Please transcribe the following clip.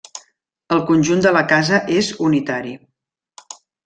El conjunt de la casa és unitari.